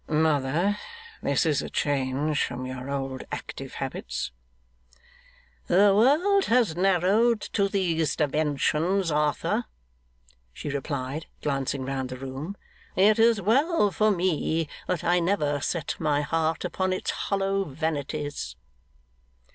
'Mother, this is a change from your old active habits.' 'The world has narrowed to these dimensions, Arthur,' she replied, glancing round the room. 'It is well for me that I never set my heart upon its hollow vanities.